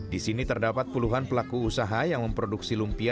di sini terdapat puluhan pelaku usaha yang memproduksi lumpia